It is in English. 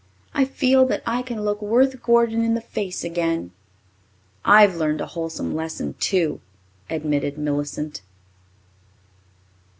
I feel that I can look Worth Gordon in the face again." "I've learned a wholesome lesson, too," admitted Millicent.